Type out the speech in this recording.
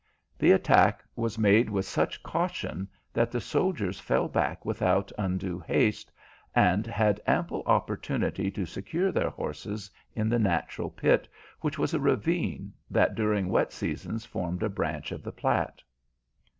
The attack was made with such caution that the soldiers fell back without undue haste, and had ample opportunity to secure their horses in the natural pit, which was a ravine that during wet seasons formed a branch of the Platte.